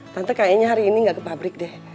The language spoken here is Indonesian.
tante kayaknya hari ini nggak ke pabrik deh